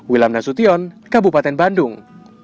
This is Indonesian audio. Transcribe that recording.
wilham nasution kabupaten bandung